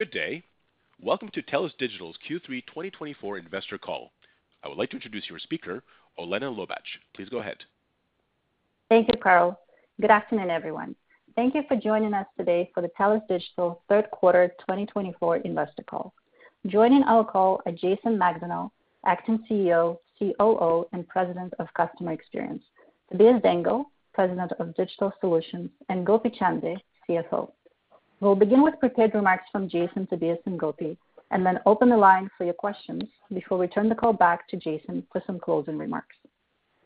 Good day. Welcome to TELUS Digital's Q3 2024 Investor Call. I would like to introduce your speaker, Olena Lobach. Please go ahead. Thank you, Carl. Good afternoon, everyone. Thank you for joining us today for the TELUS Digital Third Quarter 2024 Investor Call. Joining our call are Jason Macdonnell, Acting CEO, COO, and President of Customer Experience, Tobias Dengel, President of Digital Solutions, and Gopi Chande, CFO. We'll begin with prepared remarks from Jason, Tobias, and Gopi, and then open the line for your questions before we turn the call back to Jason for some closing remarks.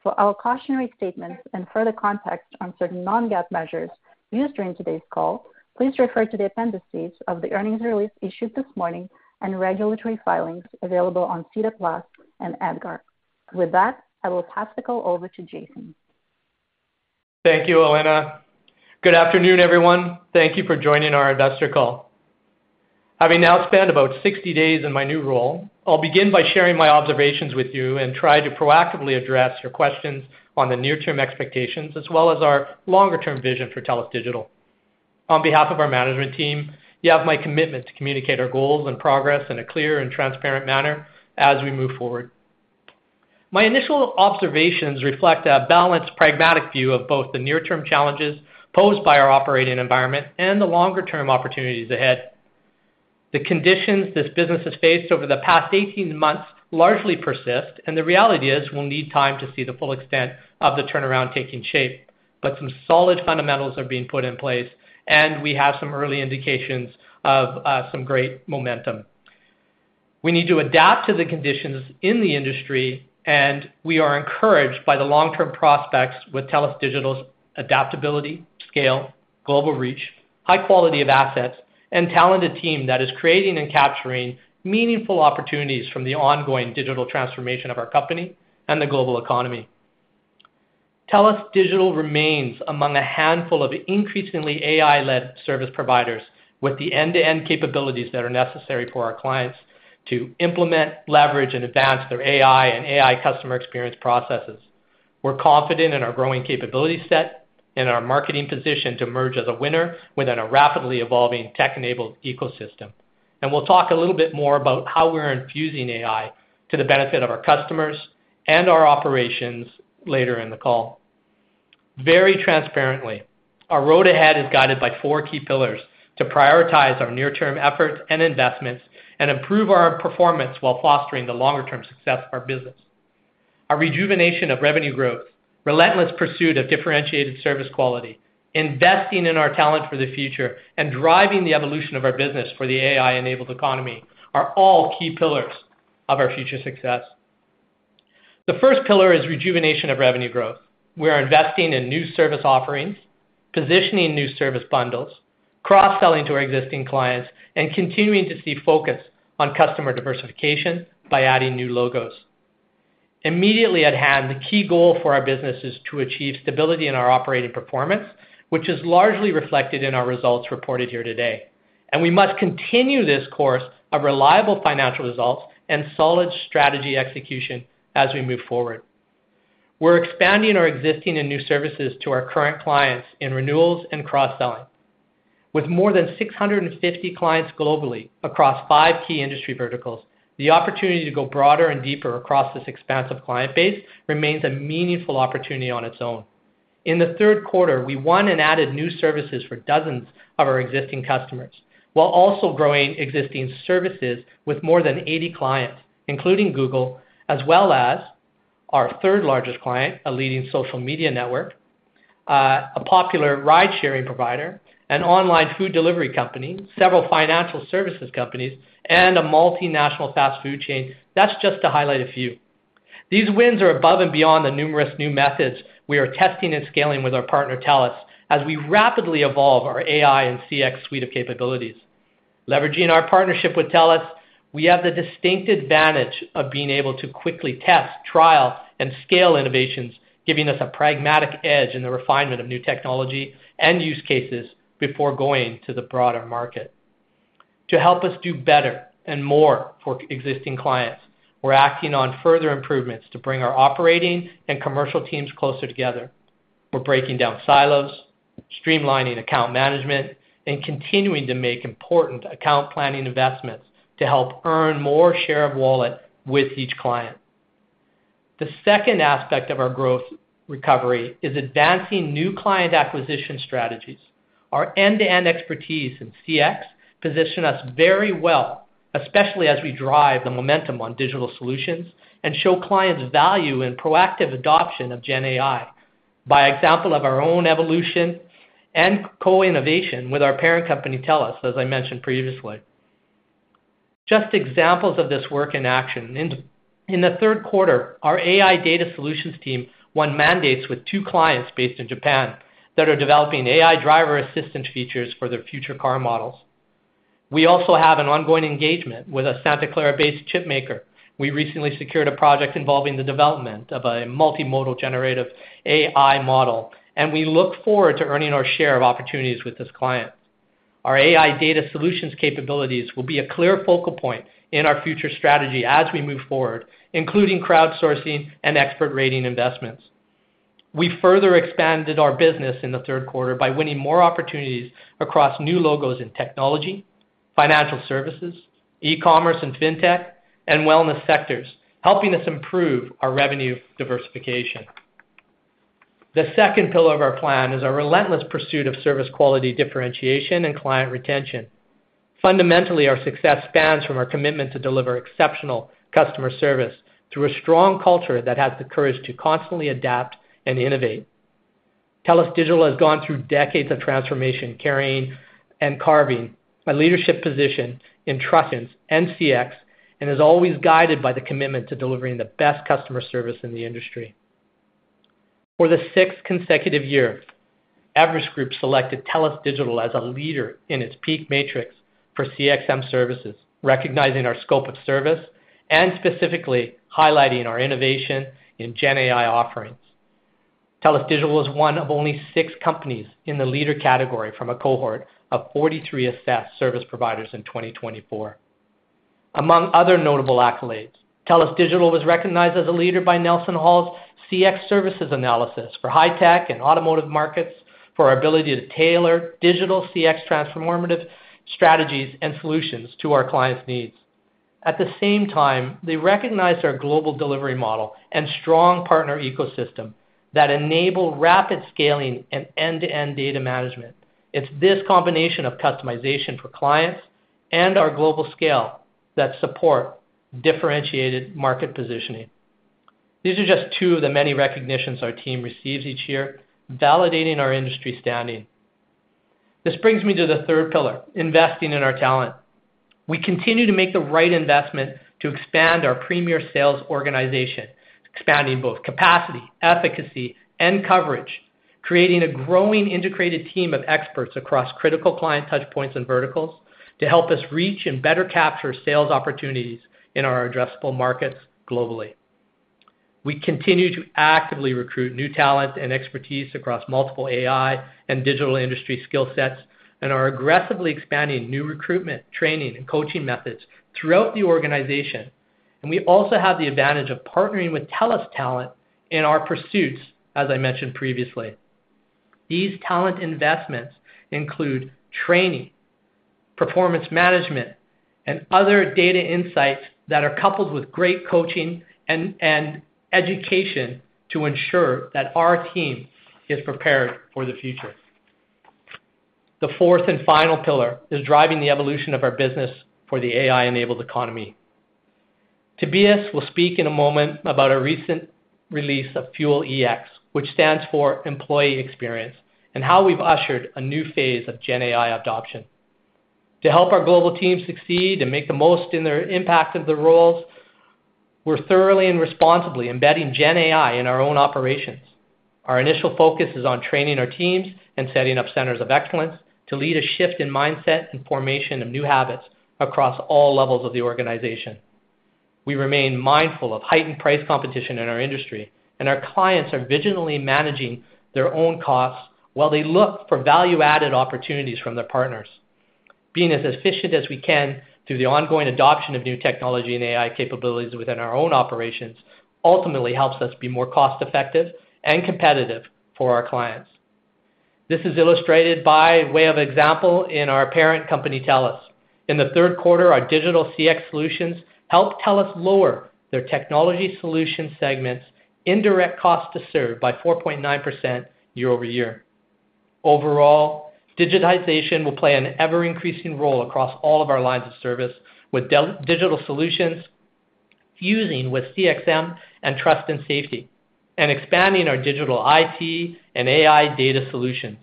For our cautionary statements and further context on certain non-GAAP measures used during today's call, please refer to the appendices of the earnings release issued this morning and regulatory filings available on SEDAR+ and EDGAR. With that, I will pass the call over to Jason. Thank you, Olena. Good afternoon, everyone. Thank you for joining our investor call. Having now spent about 60 days in my new role, I'll begin by sharing my observations with you and try to proactively address your questions on the near-term expectations as well as our longer-term vision for TELUS Digital. On behalf of our management team, you have my commitment to communicate our goals and progress in a clear and transparent manner as we move forward. My initial observations reflect a balanced, pragmatic view of both the near-term challenges posed by our operating environment and the longer-term opportunities ahead. The conditions this business has faced over the past 18 months largely persist, and the reality is we'll need time to see the full extent of the turnaround taking shape. But some solid fundamentals are being put in place, and we have some early indications of some great momentum. We need to adapt to the conditions in the industry, and we are encouraged by the long-term prospects with TELUS Digital's adaptability, scale, global reach, high quality of assets, and talented team that is creating and capturing meaningful opportunities from the ongoing digital transformation of our company and the global economy. TELUS Digital remains among a handful of increasingly AI-led service providers with the end-to-end capabilities that are necessary for our clients to implement, leverage, and advance their AI and AI customer experience processes. We're confident in our growing capability set and our marketing position to emerge as a winner within a rapidly evolving tech-enabled ecosystem, and we'll talk a little bit more about how we're infusing AI to the benefit of our customers and our operations later in the call. Very transparently, our road ahead is guided by four key pillars to prioritize our near-term efforts and investments and improve our performance while fostering the longer-term success of our business: our rejuvenation of revenue growth, relentless pursuit of differentiated service quality, investing in our talent for the future, and driving the evolution of our business for the AI-enabled economy are all key pillars of our future success. The first pillar is rejuvenation of revenue growth. We are investing in new service offerings, positioning new service bundles, cross-selling to our existing clients, and continuing to see focus on customer diversification by adding new logos. Immediately at hand, the key goal for our business is to achieve stability in our operating performance, which is largely reflected in our results reported here today, and we must continue this course of reliable financial results and solid strategy execution as we move forward. We're expanding our existing and new services to our current clients in renewals and cross-selling. With more than 650 clients globally across five key industry verticals, the opportunity to go broader and deeper across this expansive client base remains a meaningful opportunity on its own. In the third quarter, we won and added new services for dozens of our existing customers while also growing existing services with more than 80 clients, including Google, as well as our third-largest client, a leading social media network, a popular ride-sharing provider, an online food delivery company, several financial services companies, and a multinational fast food chain. That's just to highlight a few. These wins are above and beyond the numerous new methods we are testing and scaling with our partner, TELUS, as we rapidly evolve our AI and CX suite of capabilities. Leveraging our partnership with TELUS, we have the distinct advantage of being able to quickly test, trial, and scale innovations, giving us a pragmatic edge in the refinement of new technology and use cases before going to the broader market. To help us do better and more for existing clients, we're acting on further improvements to bring our operating and commercial teams closer together. We're breaking down silos, streamlining account management, and continuing to make important account planning investments to help earn more share of wallet with each client. The second aspect of our growth recovery is advancing new client acquisition strategies. Our end-to-end expertise in CX positions us very well, especially as we drive the momentum on digital solutions and show clients value in proactive adoption of GenAI by example of our own evolution and co-innovation with our parent company, TELUS, as I mentioned previously. Just examples of this work in action. In the third quarter, our AI data solutions team won mandates with two clients based in Japan that are developing AI driver assistance features for their future car models. We also have an ongoing engagement with a Santa Clara-based chip maker. We recently secured a project involving the development of a multimodal generative AI model, and we look forward to earning our share of opportunities with this client. Our AI data solutions capabilities will be a clear focal point in our future strategy as we move forward, including crowdsourcing and expert rating investments. We further expanded our business in the third quarter by winning more opportunities across new logos in technology, financial services, e-commerce, and fintech, and wellness sectors, helping us improve our revenue diversification. The second pillar of our plan is our relentless pursuit of service quality differentiation and client retention. Fundamentally, our success spans from our commitment to deliver exceptional customer service through a strong culture that has the courage to constantly adapt and innovate. TELUS Digital has gone through decades of transformation, carrying and carving a leadership position in trust and CX, and is always guided by the commitment to delivering the best customer service in the industry. For the sixth consecutive year, Everest Group selected TELUS Digital as a leader in its PEAK Matrix for CXM services, recognizing our scope of service and specifically highlighting our innovation in GenAI offerings. TELUS Digital is one of only six companies in the leader category from a cohort of 43 assessed service providers in 2024. Among other notable accolades, TELUS Digital was recognized as a leader by NelsonHall's CX services analysis for high-tech and automotive markets for our ability to tailor digital CX transformative strategies and solutions to our clients' needs. At the same time, they recognized our global delivery model and strong partner ecosystem that enable rapid scaling and end-to-end data management. It's this combination of customization for clients and our global scale that supports differentiated market positioning. These are just two of the many recognitions our team receives each year, validating our industry standing. This brings me to the third pillar: investing in our talent. We continue to make the right investment to expand our premier sales organization, expanding both capacity, efficacy, and coverage, creating a growing integrated team of experts across critical client touchpoints and verticals to help us reach and better capture sales opportunities in our addressable markets globally. We continue to actively recruit new talent and expertise across multiple AI and digital industry skill sets, and are aggressively expanding new recruitment, training, and coaching methods throughout the organization, and we also have the advantage of partnering with TELUS Talent in our pursuits, as I mentioned previously. These talent investments include training, performance management, and other data insights that are coupled with great coaching and education to ensure that our team is prepared for the future. The fourth and final pillar is driving the evolution of our business for the AI-enabled economy. Tobias will speak in a moment about a recent release of Fuel iX, which stands for Employee Experience, and how we've ushered a new phase of GenAI adoption. To help our global team succeed and make the most in their impact of the roles, we're thoroughly and responsibly embedding GenAI in our own operations. Our initial focus is on training our teams and setting up centers of excellence to lead a shift in mindset and formation of new habits across all levels of the organization. We remain mindful of heightened price competition in our industry, and our clients are vigilantly managing their own costs while they look for value-added opportunities from their partners. Being as efficient as we can through the ongoing adoption of new technology and AI capabilities within our own operations ultimately helps us be more cost-effective and competitive for our clients. This is illustrated by way of example in our parent company, TELUS. In the third quarter, our digital CX solutions helped TELUS lower their technology solution segment's indirect cost to serve by 4.9% year over year. Overall, digitization will play an ever-increasing role across all of our lines of service with digital solutions fusing with CXM and trust and safety, and expanding our digital IT and AI data solutions.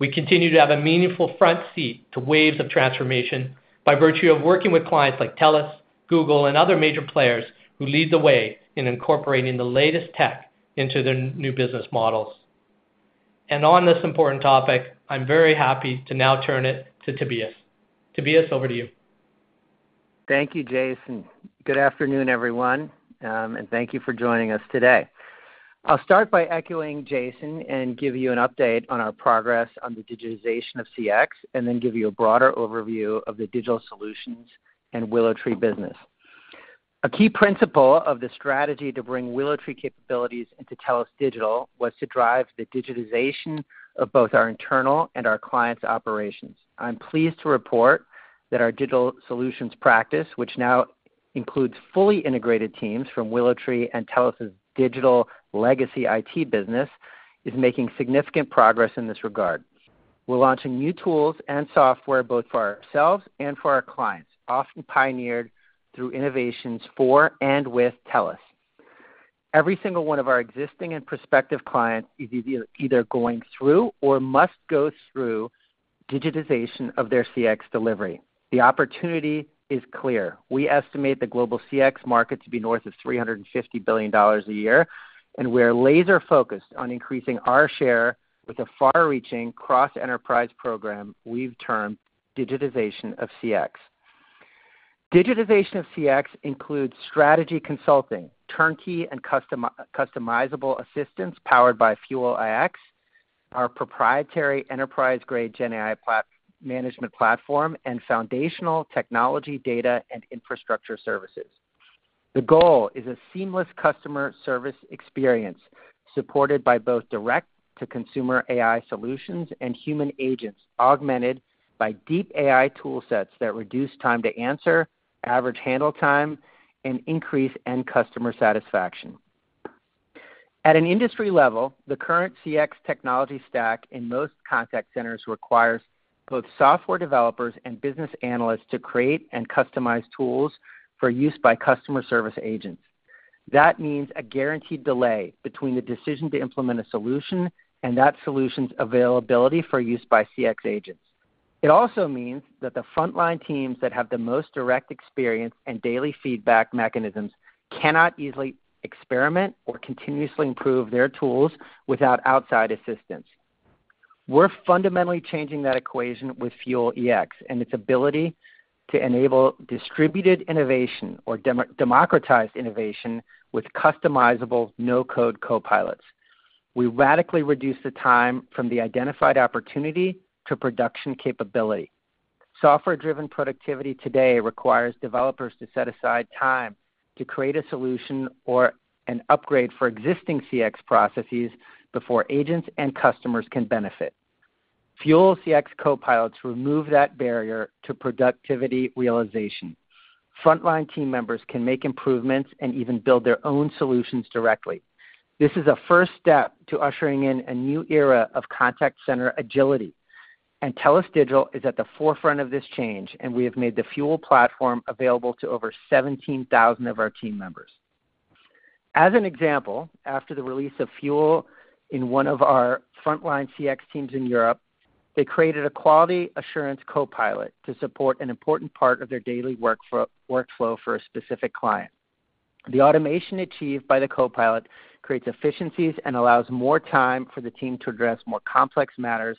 We continue to have a meaningful front seat to waves of transformation by virtue of working with clients like TELUS, Google, and other major players who lead the way in incorporating the latest tech into their new business models. And on this important topic, I'm very happy to now turn it to Tobias. Tobias, over to you. Thank you, Jason. Good afternoon, everyone, and thank you for joining us today. I'll start by echoing Jason and give you an update on our progress on the digitization of CX, and then give you a broader overview of the digital solutions and WillowTree business. A key principle of the strategy to bring WillowTree capabilities into TELUS Digital was to drive the digitization of both our internal and our clients' operations. I'm pleased to report that our digital solutions practice, which now includes fully integrated teams from WillowTree and TELUS' digital legacy IT business, is making significant progress in this regard. We're launching new tools and software both for ourselves and for our clients, often pioneered through innovations for and with TELUS. Every single one of our existing and prospective clients is either going through or must go through digitization of their CX delivery. The opportunity is clear. We estimate the global CX market to be north of $350 billion a year, and we're laser-focused on increasing our share with a far-reaching cross-enterprise program we've termed digitization of CX. Digitization of CX includes strategy consulting, turnkey and customizable assistance powered by Fuel iX, our proprietary enterprise-grade GenAI management platform, and foundational technology, data, and infrastructure services. The goal is a seamless customer service experience supported by both direct-to-consumer AI solutions and human agents augmented by deep AI toolsets that reduce time to answer, average handle time, and increase end customer satisfaction. At an industry level, the current CX technology stack in most contact centers requires both software developers and business analysts to create and customize tools for use by customer service agents. That means a guaranteed delay between the decision to implement a solution and that solution's availability for use by CX agents. It also means that the frontline teams that have the most direct experience and daily feedback mechanisms cannot easily experiment or continuously improve their tools without outside assistance. We're fundamentally changing that equation with Fuel iX and its ability to enable distributed innovation or democratized innovation with customizable no-code copilots. We radically reduce the time from the identified opportunity to production capability. Software-driven productivity today requires developers to set aside time to create a solution or an upgrade for existing CX processes before agents and customers can benefit. Fuel iX copilots remove that barrier to productivity realization. Frontline team members can make improvements and even build their own solutions directly. This is a first step to ushering in a new era of contact center agility, and TELUS Digital is at the forefront of this change, and we have made the Fuel platform available to over 17,000 of our team members. As an example, after the release of Fuel iX in one of our frontline CX teams in Europe, they created a quality assurance copilot to support an important part of their daily workflow for a specific client. The automation achieved by the copilot creates efficiencies and allows more time for the team to address more complex matters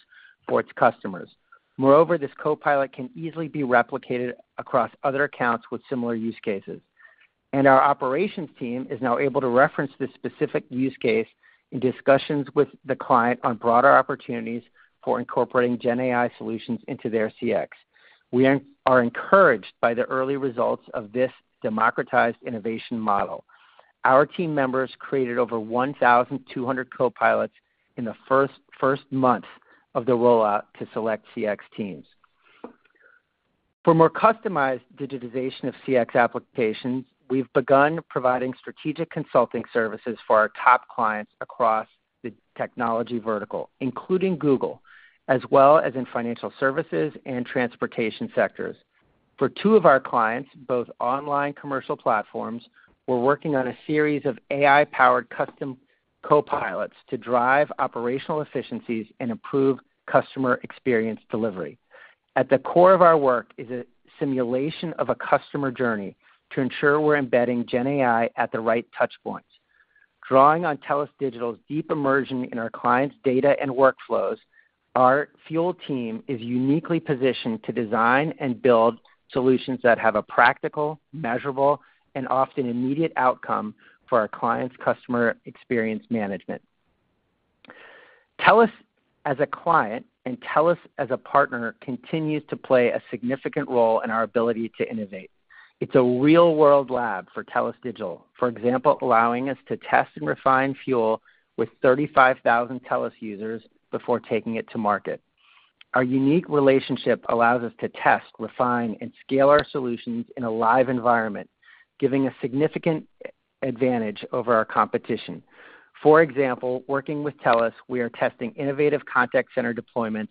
for its customers. Moreover, this copilot can easily be replicated across other accounts with similar use cases. And our operations team is now able to reference this specific use case in discussions with the client on broader opportunities for incorporating GenAI solutions into their CX. We are encouraged by the early results of this democratized innovation model. Our team members created over 1,200 copilots in the first month of the rollout to select CX teams. For more customized digitization of CX applications, we've begun providing strategic consulting services for our top clients across the technology vertical, including Google, as well as in financial services and transportation sectors. For two of our clients, both online commercial platforms, we're working on a series of AI-powered custom copilots to drive operational efficiencies and improve customer experience delivery. At the core of our work is a simulation of a customer journey to ensure we're embedding GenAI at the right touchpoints. Drawing on TELUS Digital's deep immersion in our clients' data and workflows, our Fuel team is uniquely positioned to design and build solutions that have a practical, measurable, and often immediate outcome for our clients' customer experience management. TELUS as a client and TELUS as a partner continues to play a significant role in our ability to innovate. It's a real-world lab for TELUS Digital, for example, allowing us to test and refine Fuel iX with 35,000 TELUS users before taking it to market. Our unique relationship allows us to test, refine, and scale our solutions in a live environment, giving a significant advantage over our competition. For example, working with TELUS, we are testing innovative contact center deployments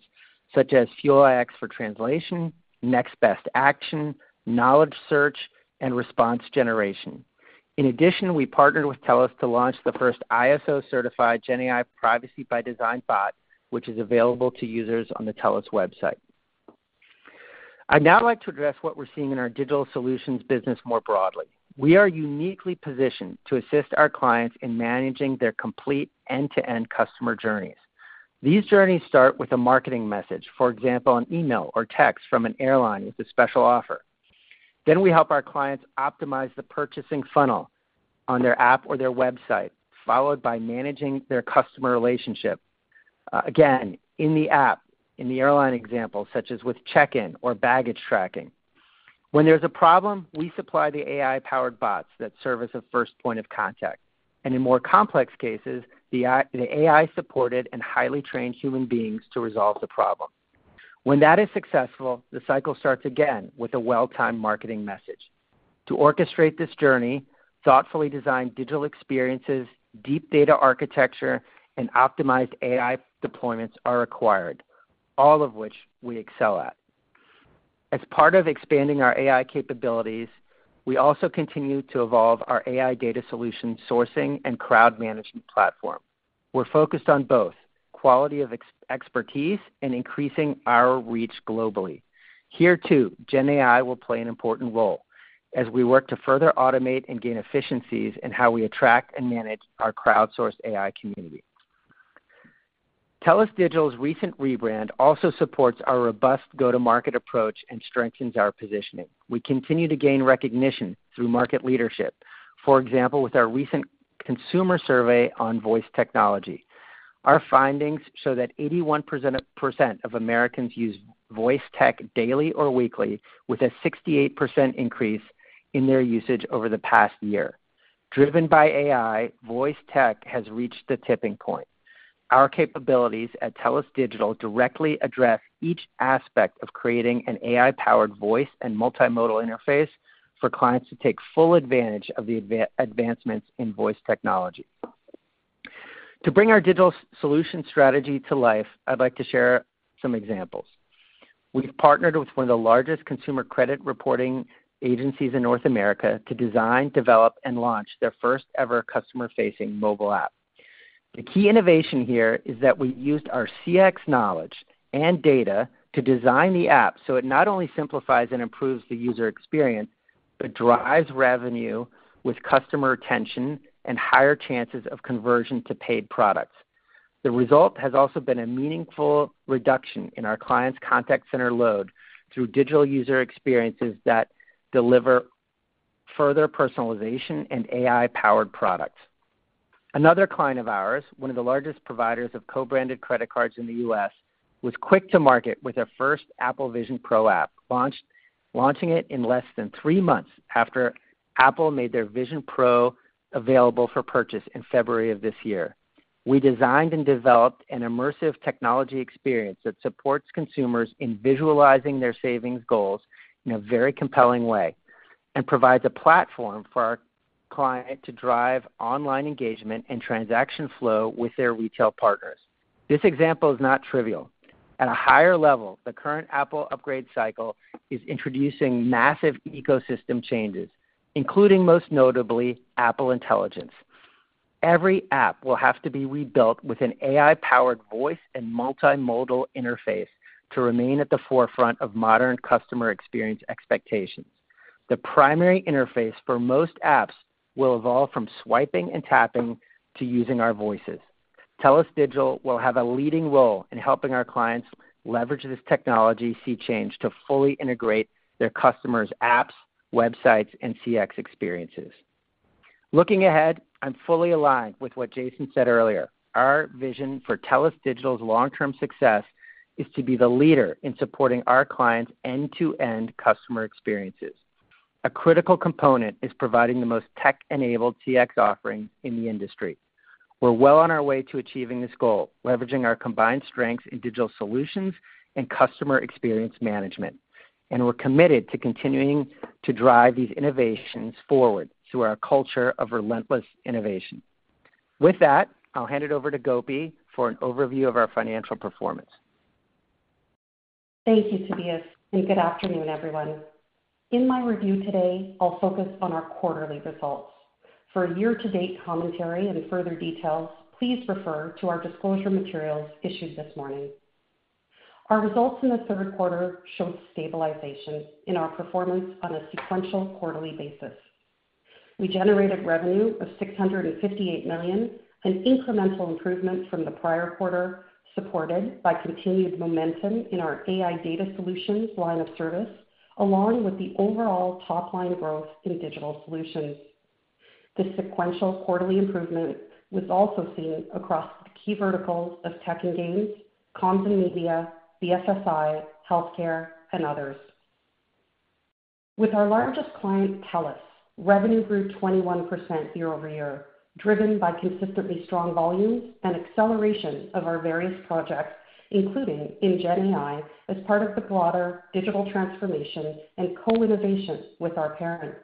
such as Fuel iX for translation, next best action, knowledge search, and response generation. In addition, we partnered with TELUS to launch the first ISO-certified GenAI privacy-by-design bot, which is available to users on the TELUS website. I'd now like to address what we're seeing in our digital solutions business more broadly. We are uniquely positioned to assist our clients in managing their complete end-to-end customer journeys. These journeys start with a marketing message, for example, an email or text from an airline with a special offer. Then we help our clients optimize the purchasing funnel on their app or their website, followed by managing their customer relationship, again, in the app, in the airline example, such as with check-in or baggage tracking. When there's a problem, we supply the AI-powered bots that serve as a first point of contact, and in more complex cases, the AI-supported and highly trained human beings to resolve the problem. When that is successful, the cycle starts again with a well-timed marketing message. To orchestrate this journey, thoughtfully designed digital experiences, deep data architecture, and optimized AI deployments are required, all of which we excel at. As part of expanding our AI capabilities, we also continue to evolve our AI data solution sourcing and crowd management platform. We're focused on both quality of expertise and increasing our reach globally. Here, too, GenAI will play an important role as we work to further automate and gain efficiencies in how we attract and manage our crowd-sourced AI community. TELUS Digital's recent rebrand also supports our robust go-to-market approach and strengthens our positioning. We continue to gain recognition through market leadership, for example, with our recent consumer survey on voice technology. Our findings show that 81% of Americans use voice tech daily or weekly, with a 68% increase in their usage over the past year. Driven by AI, voice tech has reached the tipping point. Our capabilities at TELUS Digital directly address each aspect of creating an AI-powered voice and multimodal interface for clients to take full advantage of the advancements in voice technology. To bring our digital solution strategy to life, I'd like to share some examples. We've partnered with one of the largest consumer credit reporting agencies in North America to design, develop, and launch their first-ever customer-facing mobile app. The key innovation here is that we used our CX knowledge and data to design the app so it not only simplifies and improves the user experience, but drives revenue with customer retention and higher chances of conversion to paid products. The result has also been a meaningful reduction in our clients' contact center load through digital user experiences that deliver further personalization and AI-powered products. Another client of ours, one of the largest providers of co-branded credit cards in the U.S., was quick to market with their first Apple Vision Pro app, launching it in less than three months after Apple made their Vision Pro available for purchase in February of this year. We designed and developed an immersive technology experience that supports consumers in visualizing their savings goals in a very compelling way and provides a platform for our client to drive online engagement and transaction flow with their retail partners. This example is not trivial. At a higher level, the current Apple upgrade cycle is introducing massive ecosystem changes, including most notably Apple Intelligence. Every app will have to be rebuilt with an AI-powered voice and multimodal interface to remain at the forefront of modern customer experience expectations. The primary interface for most apps will evolve from swiping and tapping to using our voices. TELUS Digital will have a leading role in helping our clients leverage this technology sea change to fully integrate their customers' apps, websites, and CX experiences. Looking ahead, I'm fully aligned with what Jason said earlier. Our vision for TELUS Digital's long-term success is to be the leader in supporting our clients' end-to-end customer experiences. A critical component is providing the most tech-enabled CX offerings in the industry. We're well on our way to achieving this goal, leveraging our combined strengths in digital solutions and customer experience management. We're committed to continuing to drive these innovations forward through our culture of relentless innovation. With that, I'll hand it over to Gopi for an overview of our financial performance. Thank you, Tobias. Good afternoon, everyone. In my review today, I'll focus on our quarterly results. For year-to-date commentary and further details, please refer to our disclosure materials issued this morning. Our results in the third quarter showed stabilization in our performance on a sequential quarterly basis. We generated revenue of $658 million, an incremental improvement from the prior quarter, supported by continued momentum in our AI data solutions line of service, along with the overall top-line growth in digital solutions. The sequential quarterly improvement was also seen across the key verticals of tech and games, comms and media, BFSI, healthcare, and others. With our largest client, TELUS, revenue grew 21% year over year, driven by consistently strong volumes and acceleration of our various projects, including in GenAI as part of the broader digital transformation and co-innovation with our parent.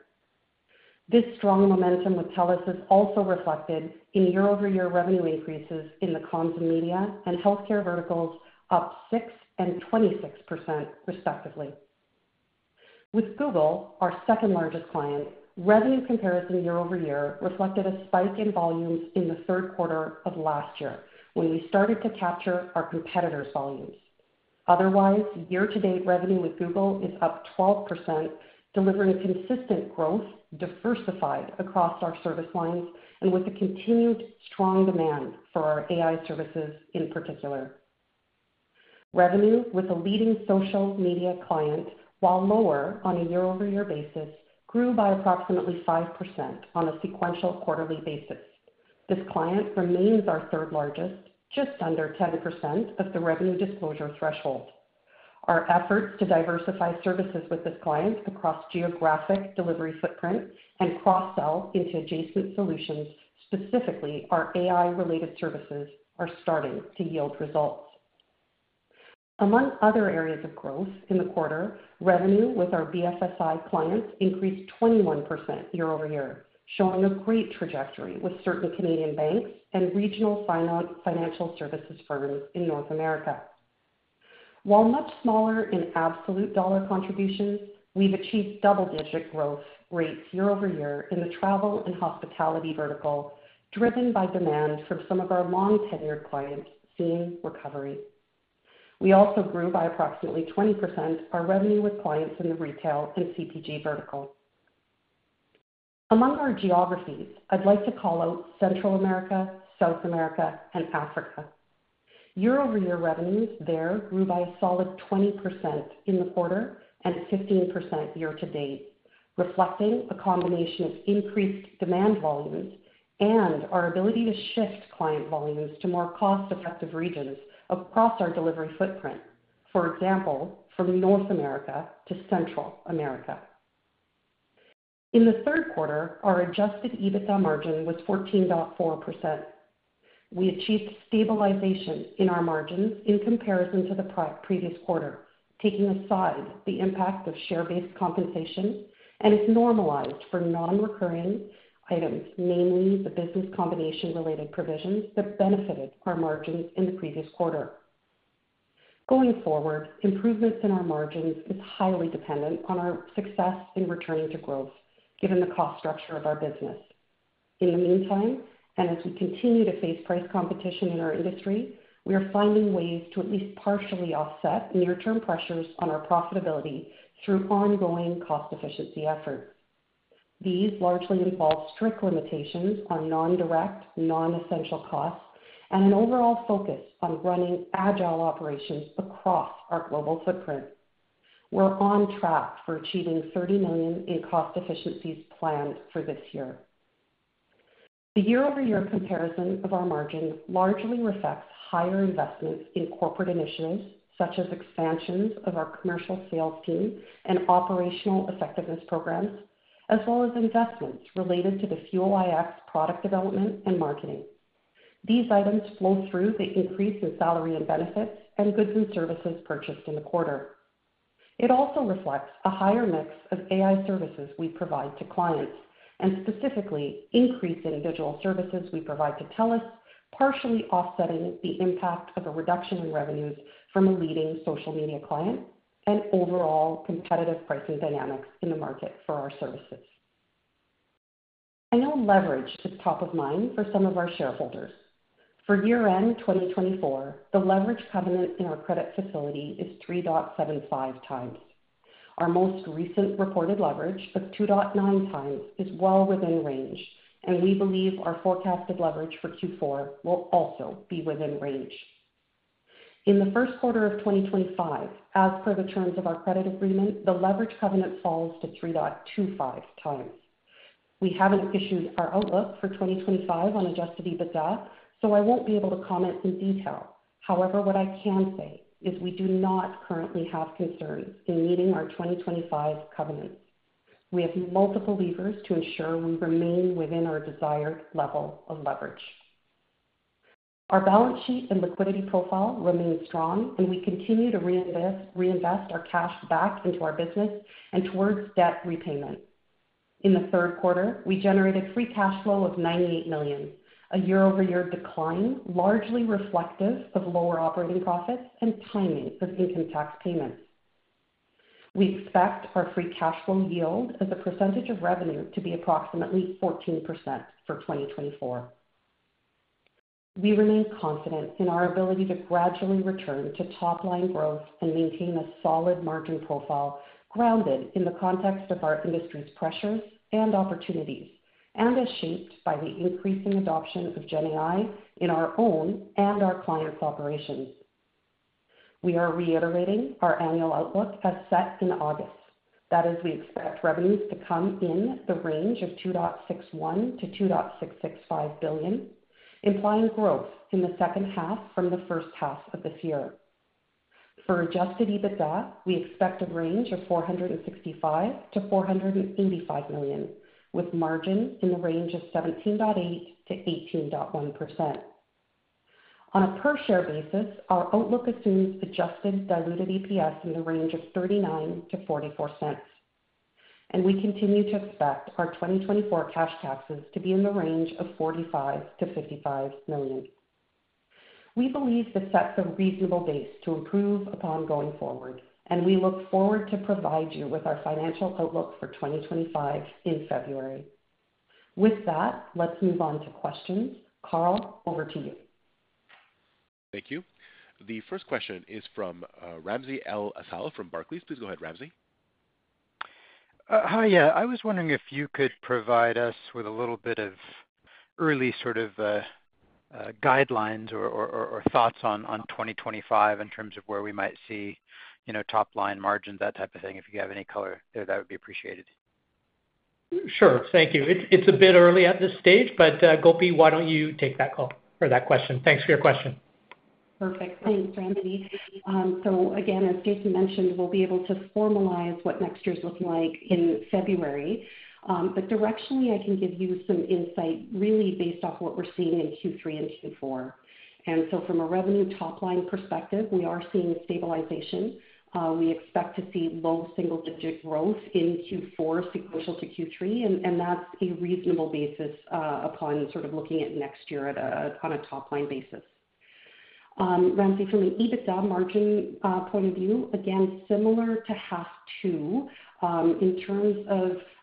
This strong momentum with TELUS is also reflected in year-over-year revenue increases in the comms and media and healthcare verticals, up 6% and 26%, respectively. With Google, our second-largest client, revenue comparison year over year reflected a spike in volumes in the third quarter of last year when we started to capture our competitors' volumes. Otherwise, year-to-date revenue with Google is up 12%, delivering consistent growth diversified across our service lines and with the continued strong demand for our AI services in particular. Revenue with a leading social media client, while lower on a year-over-year basis, grew by approximately 5% on a sequential quarterly basis. This client remains our third-largest, just under 10% of the revenue disclosure threshold. Our efforts to diversify services with this client across geographic delivery footprint and cross-sell into adjacent solutions, specifically our AI-related services, are starting to yield results. Among other areas of growth in the quarter, revenue with our BSSI clients increased 21% year over year, showing a great trajectory with certain Canadian banks and regional financial services firms in North America. While much smaller in absolute dollar contributions, we've achieved double-digit growth rates year over year in the travel and hospitality vertical, driven by demand from some of our long-tenured clients seeing recovery. We also grew by approximately 20% our revenue with clients in the retail and CPG vertical. Among our geographies, I'd like to call out Central America, South America, and Africa. Year-over-year revenues there grew by a solid 20% in the quarter and 15% year-to-date, reflecting a combination of increased demand volumes and our ability to shift client volumes to more cost-effective regions across our delivery footprint, for example, from North America to Central America. In the third quarter, our Adjusted EBITDA margin was 14.4%. We achieved stabilization in our margins in comparison to the previous quarter, taking aside the impact of share-based compensation, and it's normalized for non-recurring items, namely the business combination-related provisions that benefited our margins in the previous quarter. Going forward, improvements in our margins are highly dependent on our success in returning to growth, given the cost structure of our business. In the meantime, and as we continue to face price competition in our industry, we are finding ways to at least partially offset near-term pressures on our profitability through ongoing cost-efficiency efforts. These largely involve strict limitations on non-direct, non-essential costs and an overall focus on running agile operations across our global footprint. We're on track for achieving $30 million in cost efficiencies planned for this year. The year-over-year comparison of our margins largely reflects higher investments in corporate initiatives such as expansions of our commercial sales team and operational effectiveness programs, as well as investments related to the Fuel iX product development and marketing. These items flow through the increase in salary and benefits and goods and services purchased in the quarter. It also reflects a higher mix of AI services we provide to clients and specifically increasing digital services we provide to TELUS, partially offsetting the impact of a reduction in revenues from a leading social media client and overall competitive pricing dynamics in the market for our services. I know leverage is top of mind for some of our shareholders. For year-end 2024, the leverage covenant in our credit facility is 3.75 times. Our most recent reported leverage of 2.9 times is well within range, and we believe our forecasted leverage for will also be within range. In the first quarter of 2025, as per the terms of our credit agreement, the leverage covenant falls to 3.25 times. We haven't issued our outlook for 2025 on Adjusted EBITDA, so I won't be able to comment in detail. However, what I can say is we do not currently have concerns in meeting our 2025 covenants. We have multiple levers to ensure we remain within our desired level of leverage. Our balance sheet and liquidity profile remain strong, and we continue to reinvest our cash back into our business and towards debt repayment. In the third quarter, we generated free cash flow of $98 million, a year-over-year decline largely reflective of lower operating profits and timing of income tax payments. We expect our free cash flow yield as a percentage of revenue to be approximately 14% for 2024. We remain confident in our ability to gradually return to top-line growth and maintain a solid margin profile grounded in the context of our industry's pressures and opportunities, and as shaped by the increasing adoption of GenAI in our own and our clients' operations. We are reiterating our annual outlook as set in August, that is, we expect revenues to come in the range of $2.61-$2.665 billion, implying growth in the second half from the first half of this year. For Adjusted EBITDA, we expect a range of $465-$485 million, with margin in the range of 17.8%-18.1%. On a per-share basis, our outlook assumes adjusted diluted EPS in the range of $0.39-$0.44, and we continue to expect our 2024 cash taxes to be in the range of $45-$55 million. We believe this sets a reasonable base to improve upon going forward, and we look forward to provide you with our financial outlook for 2025 in February. With that, let's move on to questions. Carl, over to you. Thank you. The first question is from Ramsey El-Assal from Barclays. Please go ahead, Ramsey. Hi, yeah. I was wondering if you could provide us with a little bit of early sort of guidelines or thoughts on 2025 in terms of where we might see top-line margins, that type of thing. If you have any color, that would be appreciated. Sure. Thank you. It's a bit early at this stage, but Gopi, why don't you take that call or that question? Thanks for your question. Perfect. Thanks, Ramsey. So again, as Jason mentioned, we'll be able to formalize what next year's looking like in February. But directionally, I can give you some insight really based off what we're seeing in Q3 and Q4. And so from a revenue top-line perspective, we are seeing stabilization. We expect to see low single-digit growth in Q4 sequential to Q3, and that's a reasonable basis upon sort of looking at next year on a top-line basis. Ramsey, from an EBITDA margin point of view, again, similar to H2 in terms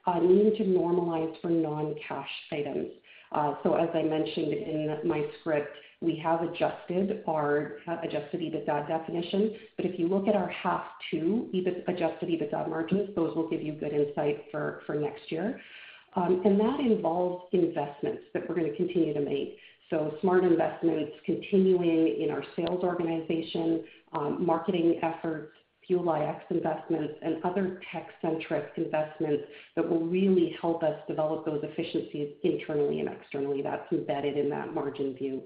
of needing to normalize for non-cash items. As I mentioned in my script, we have adjusted our Adjusted EBITDA definition, but if you look at our path to Adjusted EBITDA margins, those will give you good insight for next year. That involves investments that we're going to continue to make. Smart investments continuing in our sales organization, marketing efforts, Fuel iX investments, and other tech-centric investments that will really help us develop those efficiencies internally and externally. That's embedded in that margin view.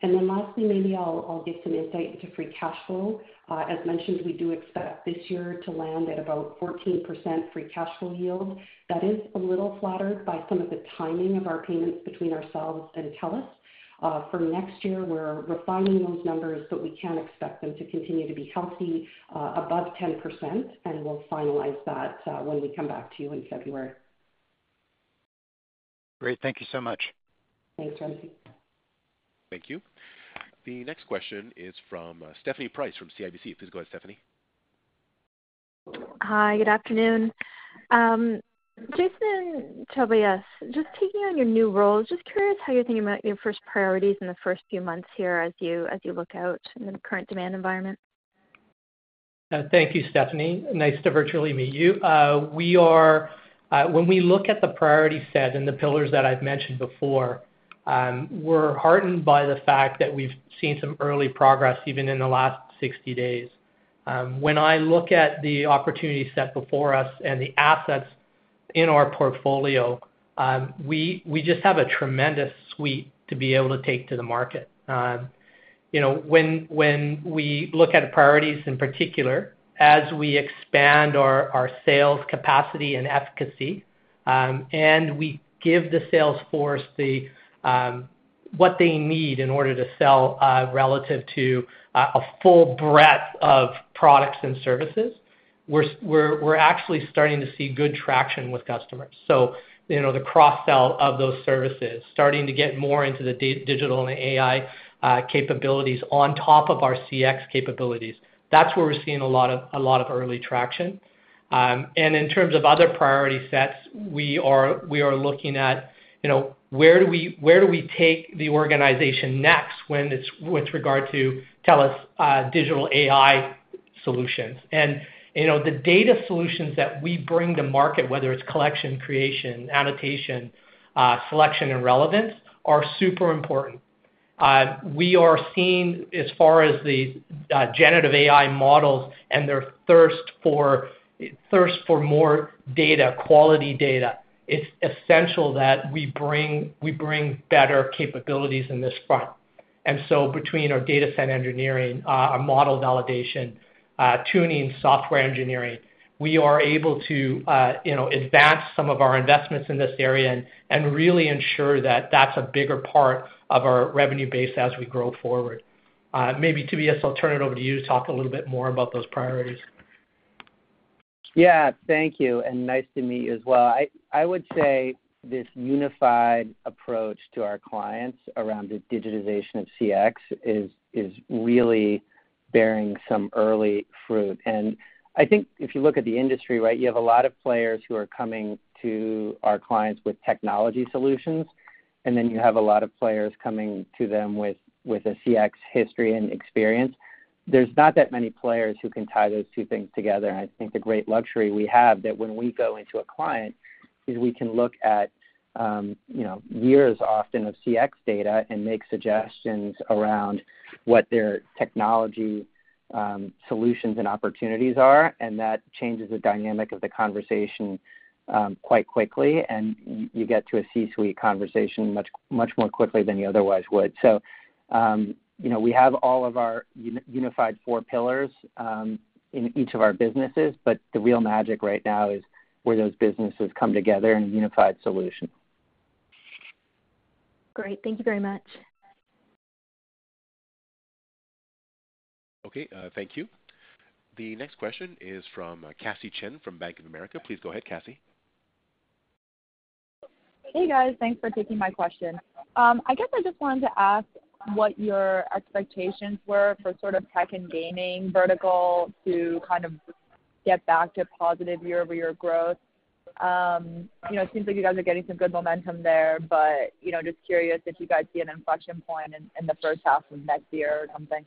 Then lastly, maybe I'll give some insight into free cash flow. As mentioned, we do expect this year to land at about 14% free cash flow yield. That is a little flattered by some of the timing of our payments between ourselves and TELUS. For next year, we're refining those numbers, but we can expect them to continue to be healthy above 10%, and we'll finalize that when we come back to you in February. Great. Thank you so much. Thanks, Ramsey. Thank you. The next question is from Stephanie Price from CIBC. Please go ahead, Stephanie. Hi, good afternoon. Jason, Tobias just taking on your new role, just curious how you're thinking about your first priorities in the first few months here as you look out in the current demand environment. Thank you, Stephanie. Nice to virtually meet you. When we look at the priority set and the pillars that I've mentioned before, we're heartened by the fact that we've seen some early progress even in the last 60 days. When I look at the opportunity set before us and the assets in our portfolio, we just have a tremendous suite to be able to take to the market. When we look at priorities in particular, as we expand our sales capacity and efficacy, and we give the sales force what they need in order to sell relative to a full breadth of products and services, we're actually starting to see good traction with customers. So the cross-sell of those services, starting to get more into the digital and AI capabilities on top of our CX capabilities, that's where we're seeing a lot of early traction. And in terms of other priority sets, we are looking at where do we take the organization next with regard to TELUS Digital AI solutions. The data solutions that we bring to market, whether it's collection, creation, annotation, selection, and relevance, are super important. We are seeing, as far as the generative AI models and their thirst for more data, quality data, it's essential that we bring better capabilities in this front. And so between our data set engineering, our model validation, tuning software engineering, we are able to advance some of our investments in this area and really ensure that that's a bigger part of our revenue base as we grow forward. Maybe Tobias, I'll turn it over to you to talk a little bit more about those priorities. Yeah. Thank you. And nice to meet you as well. I would say this unified approach to our clients around the digitization of CX is really bearing some early fruit. And I think if you look at the industry, right, you have a lot of players who are coming to our clients with technology solutions, and then you have a lot of players coming to them with a CX history and experience. There's not that many players who can tie those two things together. And I think the great luxury we have that when we go into a client is we can look at years often of CX data and make suggestions around what their technology solutions and opportunities are, and that changes the dynamic of the conversation quite quickly, and you get to a C-suite conversation much more quickly than you otherwise would. So we have all of our unified four pillars in each of our businesses, but the real magic right now is where those businesses come together in a unified solution. Great. Thank you very much. Okay. Thank you. The next question is from Cassie Chan from Bank of America. Please go ahead, Cassie. Hey, guys. Thanks for taking my question. I guess I just wanted to ask what your expectations were for sort of tech and gaming vertical to kind of get back to positive year-over-year growth. It seems like you guys are getting some good momentum there, but just curious if you guys see an inflection point in the first half of next year or something.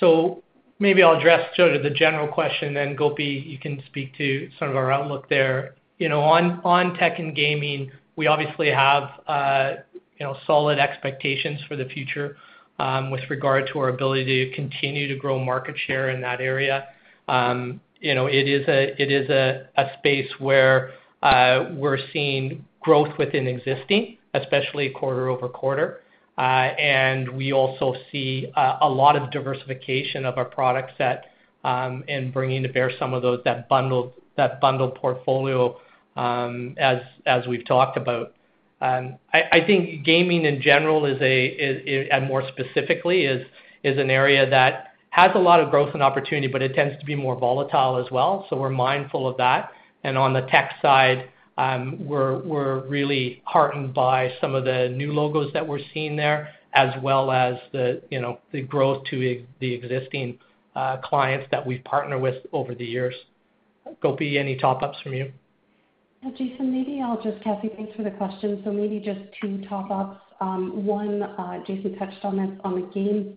So maybe I'll address sort of the general question, then Gopi, you can speak to sort of our outlook there. On tech and gaming, we obviously have solid expectations for the future with regard to our ability to continue to grow market share in that area. It is a space where we're seeing growth within existing, especially quarter over quarter. And we also see a lot of diversification of our products and bringing to bear some of those that bundled portfolio as we've talked about. I think gaming in general and more specifically is an area that has a lot of growth and opportunity, but it tends to be more volatile as well. So we're mindful of that. And on the tech side, we're really heartened by some of the new logos that we're seeing there as well as the growth to the existing clients that we've partnered with over the years. Gopi, any top-ups from you? Jason, maybe I'll just, Cassie, thanks for the question. So maybe just two top-ups. One, Jason touched on this on the game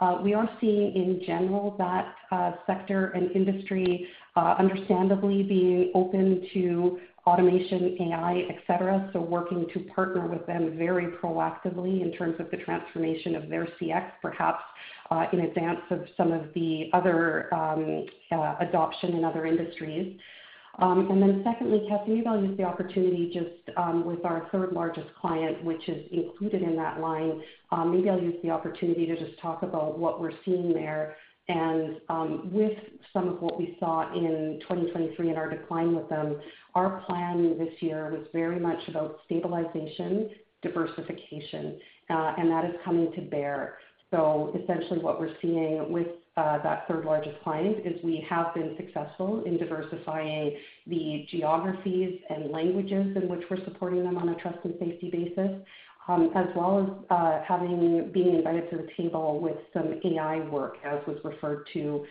side. We are seeing in general that sector and industry understandably being open to automation, AI, etc., so working to partner with them very proactively in terms of the transformation of their CX, perhaps in advance of some of the other adoption in other industries. And then secondly, Cassie, maybe I'll use the opportunity just with our third largest client, which is included in that line. Maybe I'll use the opportunity to just talk about what we're seeing there. And with some of what we saw in 2023 and our decline with them, our plan this year was very much about stabilization, diversification, and that is coming to bear. So essentially what we're seeing with that third largest client is we have been successful in diversifying the geographies and languages in which we're supporting them on a trust and safety basis, as well as being invited to the table with some AI work, as was referred to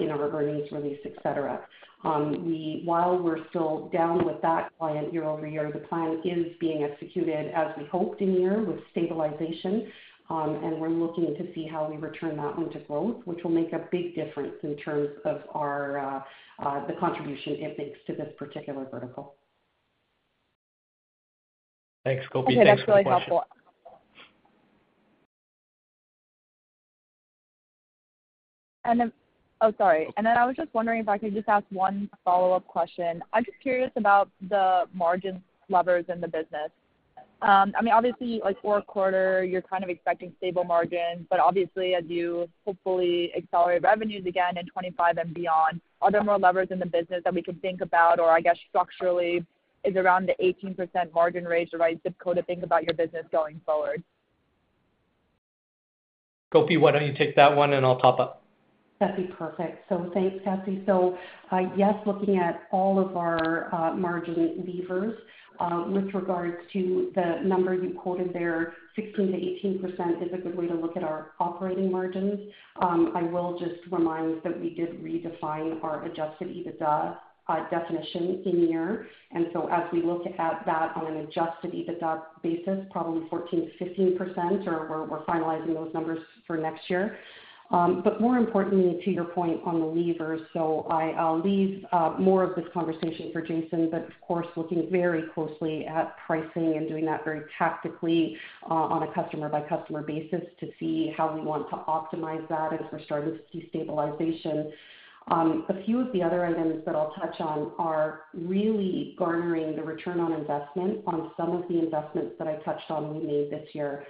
in our earnings release, etc. While we're still down with that client year over year, the plan is being executed as we hoped in year with stabilization, and we're looking to see how we return that one to growth, which will make a big difference in terms of the contribution it makes to this particular vertical. Thanks, Gopi. Thanks for that. Thanks. That's really helpful. Oh, sorry. And then I was just wondering if I could just ask one follow-up question. I'm just curious about the margin levers in the business. I mean, obviously, quarter over quarter, you're kind of expecting stable margins, but obviously, as you hopefully accelerate revenues again in 2025 and beyond, are there more levers in the business that we could think about, or I guess structurally is around the 18% margin rate the right zip code to think about your business going forward? Gopi, why don't you take that one, and I'll top up. That'd be perfect. So thanks, Cassie. So yes, looking at all of our margin levers with regards to the number you quoted there, 16%-18% is a good way to look at our operating margins. I will just remind that we did redefine our Adjusted EBITDA definition this year. And so as we look at that on an Adjusted EBITDA basis, probably 14%-15%, or we're finalizing those numbers for next year. But more importantly, to your point on the levers, so I'll leave more of this conversation for Jason, but of course, looking very closely at pricing and doing that very tactically on a customer-by-customer basis to see how we want to optimize that as we're starting to see stabilization. A few of the other items that I'll touch on are really garnering the return on investment on some of the investments that I touched on we made this year.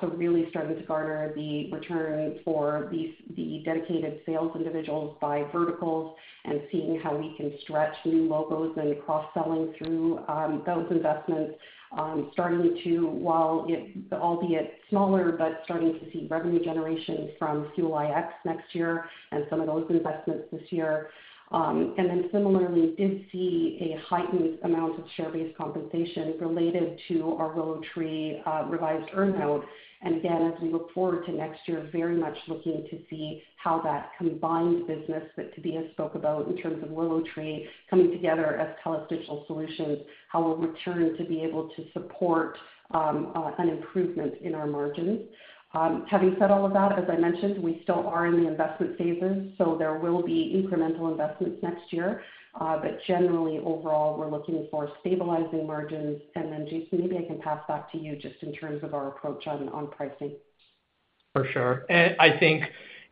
So really starting to garner the return for the dedicated sales individuals by verticals and seeing how we can stretch new logos and cross-selling through those investments, starting to, while albeit smaller, but starting to see revenue generation from Fuel iX next year and some of those investments this year. And then similarly, did see a heightened amount of share-based compensation related to our Willow Tree revised earned note. And again, as we look forward to next year, very much looking to see how that combined business that Tobias spoke about in terms of Willow Tree coming together as TELUS Digital Solutions, how we'll return to be able to support an improvement in our margins. Having said all of that, as I mentioned, we still are in the investment phases, so there will be incremental investments next year. But generally, overall, we're looking for stabilizing margins. And then Jason, maybe I can pass back to you just in terms of our approach on pricing. For sure. And I think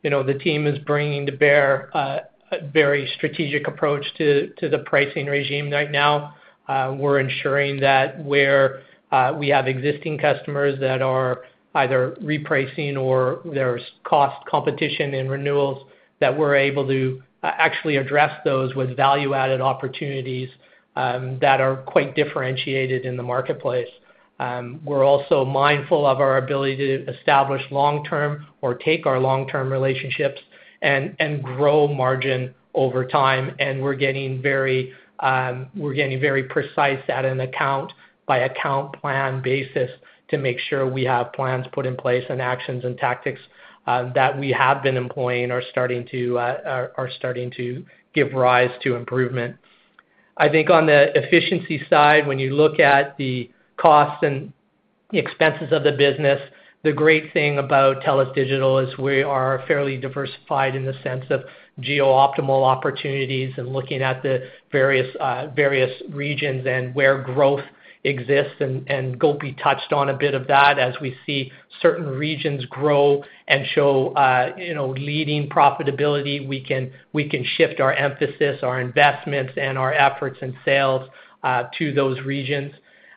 the team is bringing to bear a very strategic approach to the pricing regime right now. We're ensuring that where we have existing customers that are either repricing or there's cost competition and renewals, that we're able to actually address those with value-added opportunities that are quite differentiated in the marketplace. We're also mindful of our ability to establish long-term or take our long-term relationships and grow margin over time, and we're getting very precise at an account-by-account plan basis to make sure we have plans put in place and actions and tactics that we have been employing are starting to give rise to improvement. I think on the efficiency side, when you look at the costs and expenses of the business, the great thing about TELUS Digital is we are fairly diversified in the sense of geo-optimal opportunities and looking at the various regions and where growth exists, and Gopi touched on a bit of that. As we see certain regions grow and show leading profitability, we can shift our emphasis, our investments, and our efforts in sales to those regions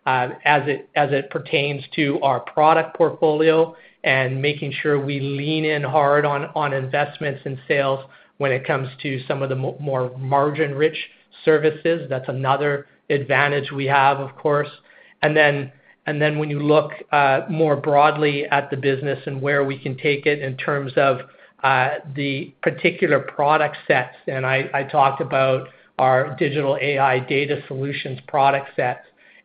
as it pertains to our product portfolio and making sure we lean in hard on investments in sales when it comes to some of the more margin-rich services. That's another advantage we have, of course. And then when you look more broadly at the business and where we can take it in terms of the particular product sets, and I talked about our digital AI data solutions product sets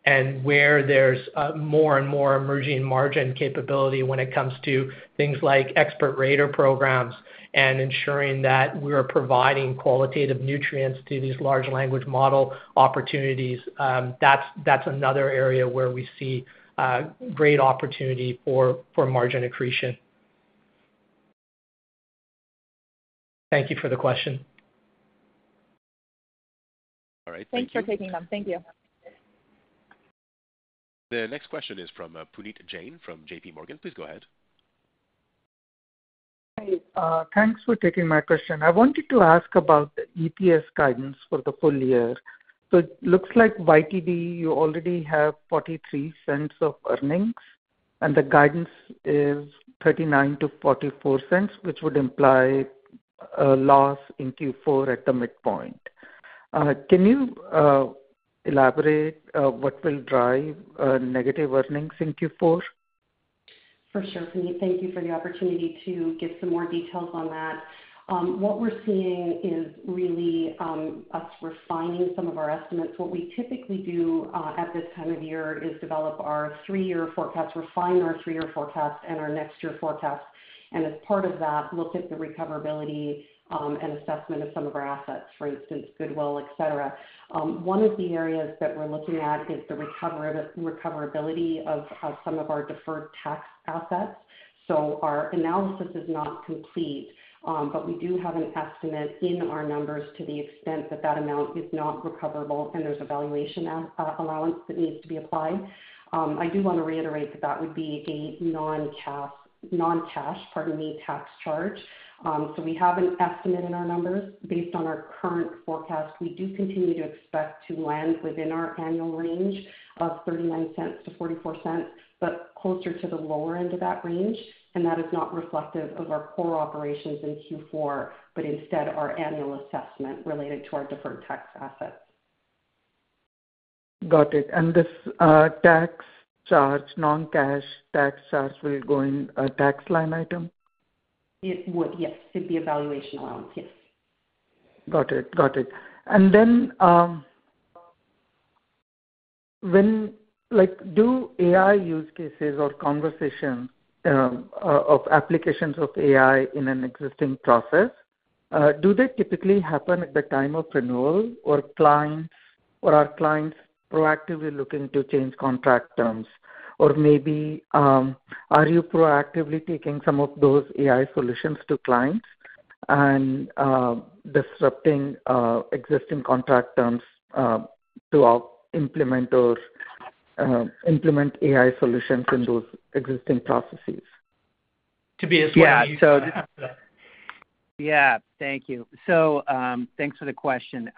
and where there's more and more emerging margin capability when it comes to things like expert rater programs and ensuring that we're providing qualitative annotations to these large language model opportunities. That's another area where we see great opportunity for margin accretion. Thank you for the question. All right. Thank you. Thanks for taking them. Thank you. The next question is from Puneet Jain from JPMorgan. Please go ahead. Hi. Thanks for taking my question. I wanted to ask about the EPS guidance for the full year. So it looks like YTD you already have $0.43 of earnings, and the guidance is $0.39-$0.44, which would imply a loss in Q4 at the midpoint. Can you elaborate what will drive negative earnings in Q4? For sure. Thank you for the opportunity to give some more details on that. What we're seeing is really us refining some of our estimates. What we typically do at this time of year is develop our three-year forecast, refine our three-year forecast, and our next-year forecast. And as part of that, look at the recoverability and assessment of some of our assets, for instance, Goodwill, etc. One of the areas that we're looking at is the recoverability of some of our deferred tax assets. So our analysis is not complete, but we do have an estimate in our numbers to the extent that that amount is not recoverable and there's a valuation allowance that needs to be applied. I do want to reiterate that that would be a non-cash, pardon me, tax charge. So we have an estimate in our numbers based on our current forecast. We do continue to expect to land within our annual range of $0.39-$0.44, but closer to the lower end of that range. And that is not reflective of our core operations in Q4, but instead our annual assessment related to our deferred tax assets. Got it. And this tax charge, non-cash tax charge, will go in a tax line item? It would, yes. It'd be a valuation allowance, yes. Got it. Got it. And then, do AI use cases or conversations of applications of AI in an existing process typically happen at the time of renewal, or are clients proactively looking to change contract terms? Or maybe are you proactively taking some of those AI solutions to clients and disrupting existing contract terms to implement AI solutions in those existing processes? Tobias wanted you to answer. Yeah. Yeah. Thank you. So thanks for the question.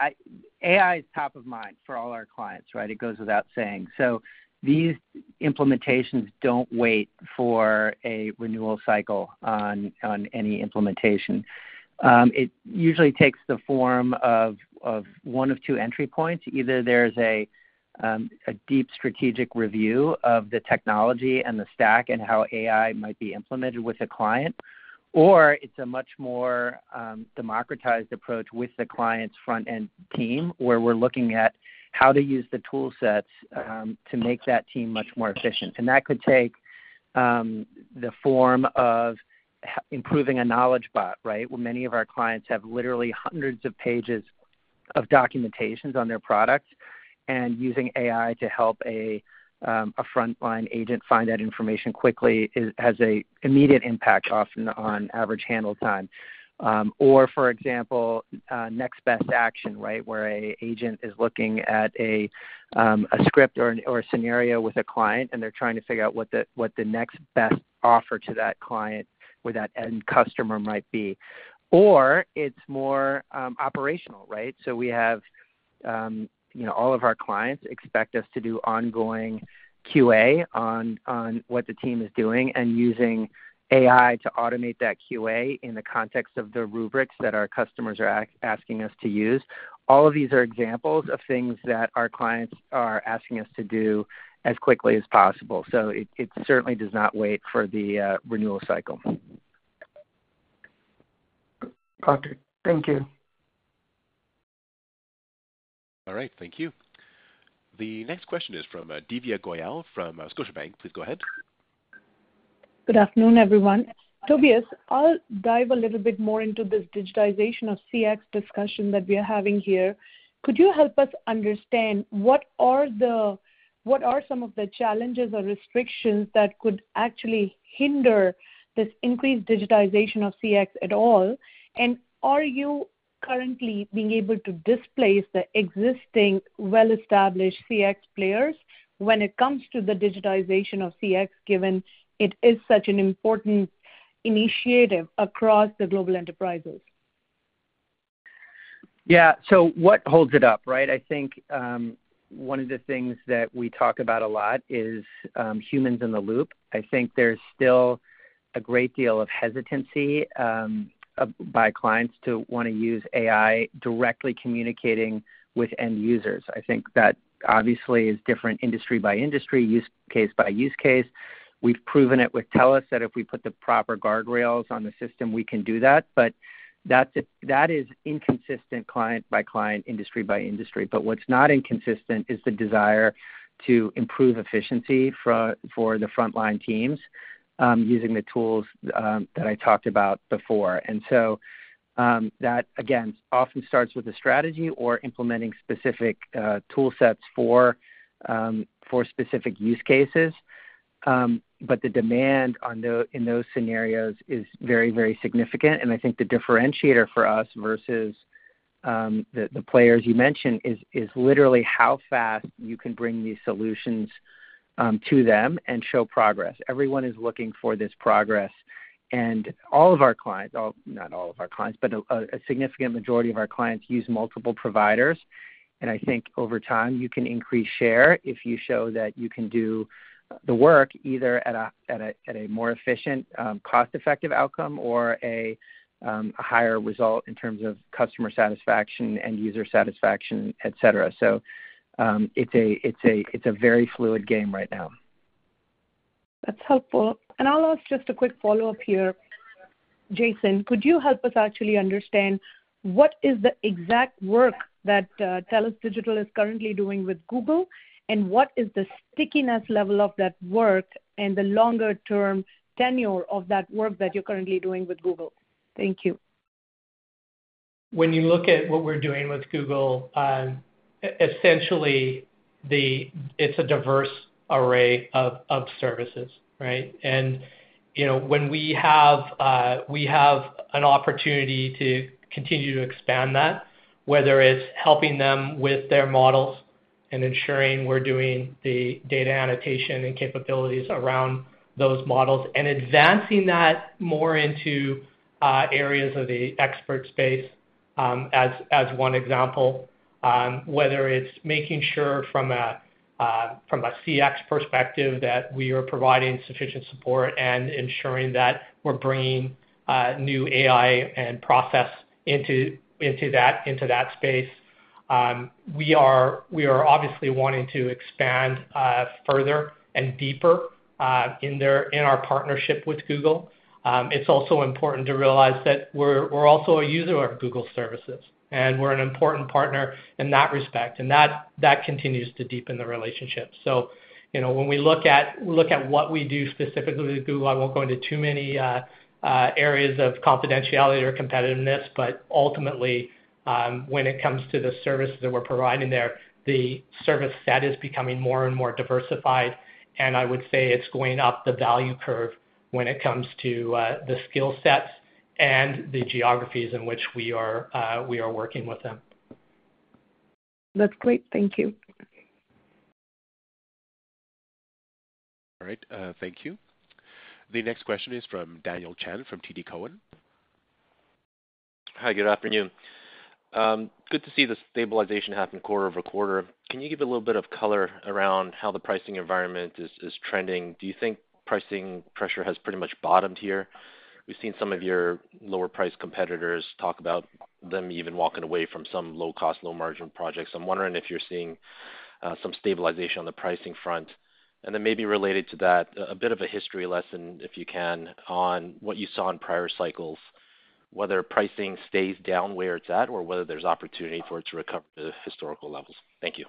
AI is top of mind for all our clients, right? It goes without saying. So these implementations don't wait for a renewal cycle on any implementation. It usually takes the form of one of two entry points. Either there's a deep strategic review of the technology and the stack and how AI might be implemented with a client, or it's a much more democratized approach with the client's front-end team where we're looking at how to use the toolsets to make that team much more efficient. And that could take the form of improving a knowledge bot, right? Many of our clients have literally hundreds of pages of documentation on their products, and using AI to help a front-line agent find that information quickly has an immediate impact often on average handle time. Or, for example, next best action, right, where an agent is looking at a script or a scenario with a client, and they're trying to figure out what the next best offer to that client or that end customer might be. Or it's more operational, right? So we have all of our clients expect us to do ongoing QA on what the team is doing and using AI to automate that QA in the context of the rubrics that our customers are asking us to use. All of these are examples of things that our clients are asking us to do as quickly as possible. So it certainly does not wait for the renewal cycle. Got it. Thank you. All right. Thank you. The next question is from Divya Goyal from Scotiabank. Please go ahead. Good afternoon, everyone. Tobias, I'll dive a little bit more into this digitization of CX discussion that we are having here. Could you help us understand what are some of the challenges or restrictions that could actually hinder this increased digitization of CX at all? Are you currently being able to displace the existing well-established CX players when it comes to the digitization of CX, given it is such an important initiative across the global enterprises? Yeah. What holds it up, right? I think one of the things that we talk about a lot is humans in the loop. I think there's still a great deal of hesitancy by clients to want to use AI directly communicating with end users. I think that obviously is different industry by industry, use case by use case. We've proven it with TELUS that if we put the proper guardrails on the system, we can do that. But that is inconsistent client by client, industry by industry. But what's not inconsistent is the desire to improve efficiency for the front-line teams using the tools that I talked about before. And so that, again, often starts with a strategy or implementing specific toolsets for specific use cases. But the demand in those scenarios is very, very significant. And I think the differentiator for us versus the players you mentioned is literally how fast you can bring these solutions to them and show progress. Everyone is looking for this progress. And all of our clients (not all of our clients, but a significant majority of our clients) use multiple providers. And I think over time, you can increase share if you show that you can do the work either at a more efficient, cost-effective outcome or a higher result in terms of customer satisfaction, end user satisfaction, etc. So it's a very fluid game right now. That's helpful. And I'll ask just a quick follow-up here. Jason, could you help us actually understand what is the exact work that TELUS Digital is currently doing with Google, and what is the stickiness level of that work and the longer-term tenure of that work that you're currently doing with Google? Thank you. When you look at what we're doing with Google, essentially, it's a diverse array of services, right? And when we have an opportunity to continue to expand that, whether it's helping them with their models and ensuring we're doing the data annotation and capabilities around those models and advancing that more into areas of the expert space as one example, whether it's making sure from a CX perspective that we are providing sufficient support and ensuring that we're bringing new AI and process into that space. We are obviously wanting to expand further and deeper in our partnership with Google. It's also important to realize that we're also a user of Google services, and we're an important partner in that respect. And that continues to deepen the relationship. So when we look at what we do specifically with Google, I won't go into too many areas of confidentiality or competitiveness, but ultimately, when it comes to the services that we're providing there, the service set is becoming more and more diversified. And I would say it's going up the value curve when it comes to the skill sets and the geographies in which we are working with them. That's great. Thank you. All right. Thank you. The next question is from Daniel Chan from TD Cowen. Hi. Good afternoon. Good to see the stabilization happen quarter over quarter. Can you give a little bit of color around how the pricing environment is trending? Do you think pricing pressure has pretty much bottomed here? We've seen some of your lower-priced competitors talk about them even walking away from some low-cost, low-margin projects. I'm wondering if you're seeing some stabilization on the pricing front. And then maybe related to that, a bit of a history lesson, if you can, on what you saw in prior cycles, whether pricing stays down where it's at or whether there's opportunity for it to recover to historical levels. Thank you.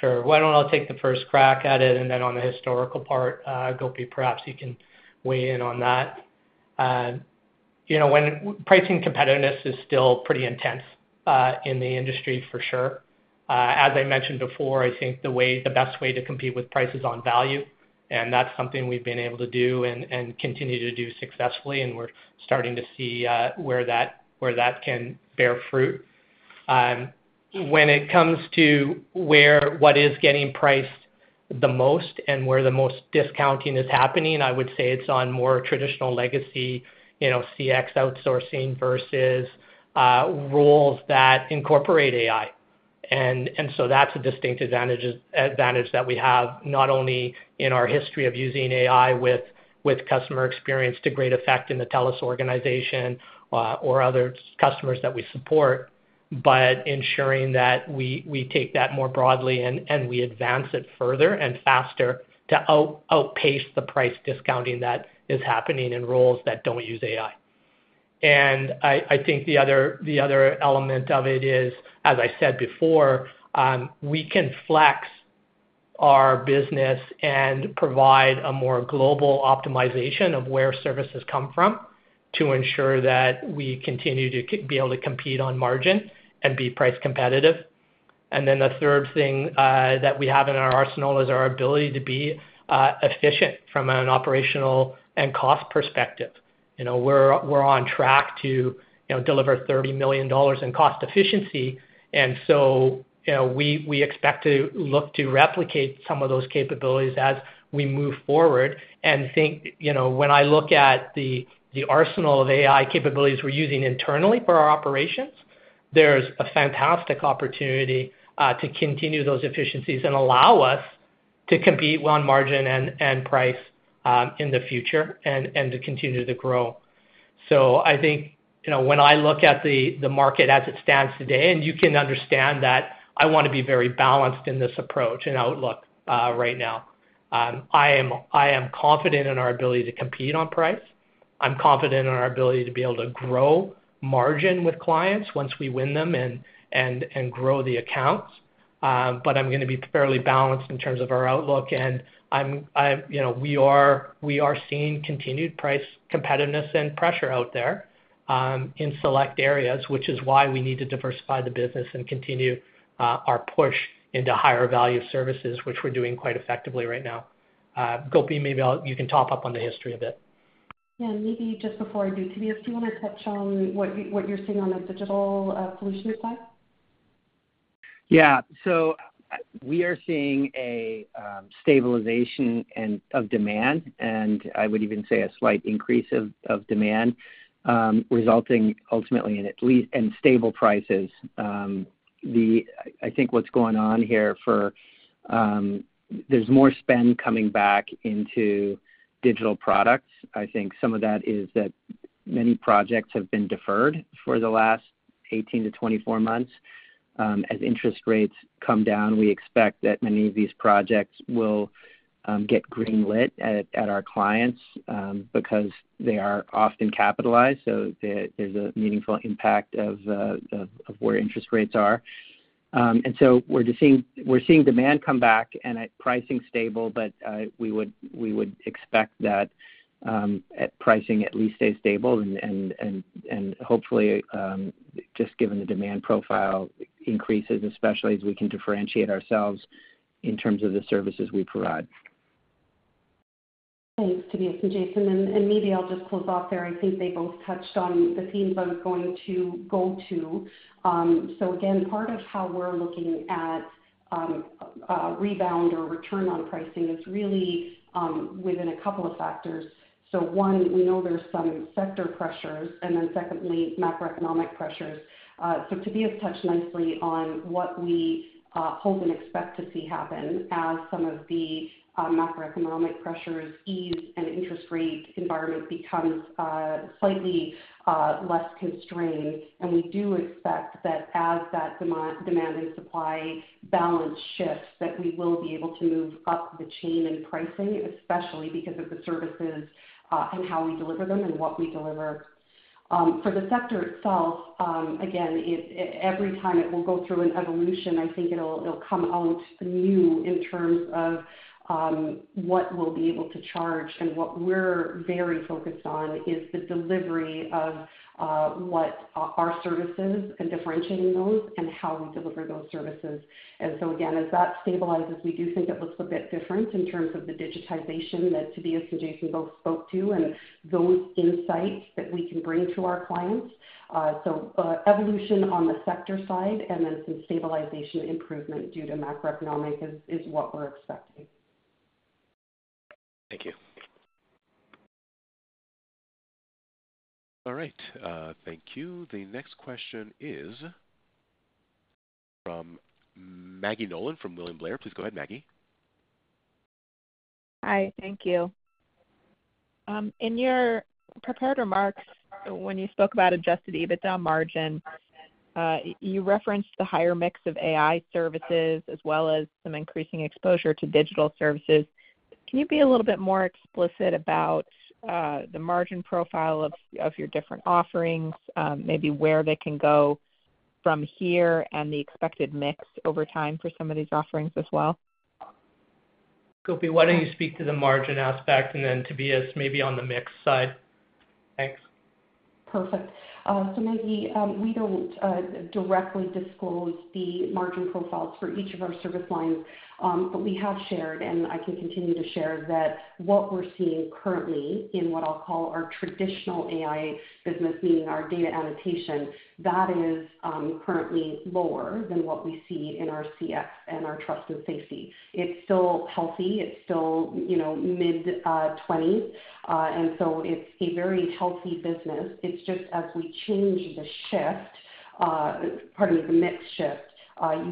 Sure. Why don't I take the first crack at it? And then on the historical part, Gopi, perhaps you can weigh in on that. Pricing competitiveness is still pretty intense in the industry, for sure. As I mentioned before, I think the best way to compete with price is on value. And that's something we've been able to do and continue to do successfully. And we're starting to see where that can bear fruit. When it comes to what is getting priced the most and where the most discounting is happening, I would say it's on more traditional legacy CX outsourcing versus roles that incorporate AI. And so that's a distinct advantage that we have, not only in our history of using AI with customer experience to great effect in the TELUS organization or other customers that we support, but ensuring that we take that more broadly and we advance it further and faster to outpace the price discounting that is happening in roles that don't use AI.And I think the other element of it is, as I said before, we can flex our business and provide a more global optimization of where services come from to ensure that we continue to be able to compete on margin and be price competitive. And then the third thing that we have in our arsenal is our ability to be efficient from an operational and cost perspective. We're on track to deliver $30 million in cost efficiency. And so we expect to look to replicate some of those capabilities as we move forward. And when I look at the arsenal of AI capabilities we're using internally for our operations, there's a fantastic opportunity to continue those efficiencies and allow us to compete on margin and price in the future and to continue to grow. So I think when I look at the market as it stands today, and you can understand that I want to be very balanced in this approach and outlook right now, I am confident in our ability to compete on price. I'm confident in our ability to be able to grow margin with clients once we win them and grow the accounts. But I'm going to be fairly balanced in terms of our outlook. And we are seeing continued price competitiveness and pressure out there in select areas, which is why we need to diversify the business and continue our push into higher-value services, which we're doing quite effectively right now. Gopi, maybe you can touch on the history of it. Yeah. And maybe just before I do, Tobias, do you want to touch on what you're seeing on the Digital Solutions side? Yeah. So we are seeing a stabilization of demand, and I would even say a slight increase of demand resulting ultimately in stable prices. I think what's going on here, for there's more spend coming back into digital products. I think some of that is that many projects have been deferred for the last 18-24 months. As interest rates come down, we expect that many of these projects will get greenlit at our clients because they are often capitalized, so there's a meaningful impact of where interest rates are, and so we're seeing demand come back and pricing stable, but we would expect that pricing at least stays stable and hopefully, just given the demand profile increases, especially as we can differentiate ourselves in terms of the services we provide. Thanks, Tobias and Jason, and maybe I'll just close off there. I think they both touched on the themes I was going to go to, so again, part of how we're looking at rebound or return on pricing is really within a couple of factors, so one, we know there's some sector pressures. And then, secondly, macroeconomic pressures. So Tobias touched nicely on what we hope and expect to see happen as some of the macroeconomic pressures ease, and interest rate environment becomes slightly less constrained. And we do expect that as that demand and supply balance shifts, that we will be able to move up the chain in pricing, especially because of the services and how we deliver them and what we deliver. For the sector itself, again, every time it will go through an evolution. I think it'll come out new in terms of what we'll be able to charge. And what we're very focused on is the delivery of our services and differentiating those and how we deliver those services. And so again, as that stabilizes, we do think it looks a bit different in terms of the digitization that Tobias and Jason both spoke to and those insights that we can bring to our clients. So evolution on the sector side and then some stabilization improvement due to macroeconomic is what we're expecting. Thank you. All right. Thank you. The next question is from Maggie Nolan from William Blair. Please go ahead, Maggie. Hi. Thank you. In your prepared remarks, when you spoke about Adjusted EBITDA margin, you referenced the higher mix of AI services as well as some increasing exposure to digital services. Can you be a little bit more explicit about the margin profile of your different offerings, maybe where they can go from here and the expected mix over time for some of these offerings as well? Gopi, why don't you speak to the margin aspect and then Tobias maybe on the mix side? Thanks. Perfect. So Maggie, we don't directly disclose the margin profiles for each of our service lines, but we have shared, and I can continue to share that what we're seeing currently in what I'll call our traditional AI business, meaning our data annotation, that is currently lower than what we see in our CX and our trust and safety. It's still healthy. It's still mid-20s. And so it's a very healthy business. It's just as we change the shift, pardon me, the mix shift,